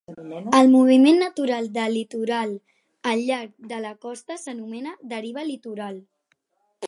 El moviment natural del litoral al llarg de la costa s'anomena deriva litoral.